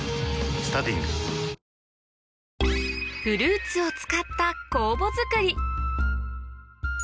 フルーツを使った酵母作り